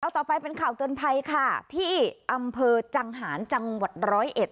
ต่อไปเป็นข่าวเตือนภัยค่ะที่อำเภอจังหารจังหวัดร้อยเอ็ด